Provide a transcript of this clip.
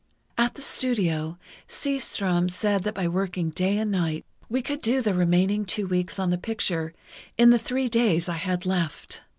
"At the studio, Seastrom said that by working day and night we could do the remaining two weeks on the picture in the three days I had left.